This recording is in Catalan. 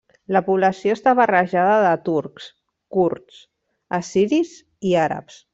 La població està barrejada de turcs, kurds, assiris i àrabs.